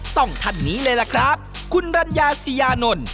ท่านนี้เลยล่ะครับคุณรัญญาสียานนท์